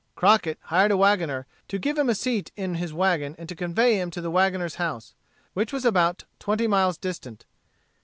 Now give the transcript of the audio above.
Crockett hired a wagoner to give him a seat in his wagon and to convey him to the wagoner's house, which was about twenty miles distant.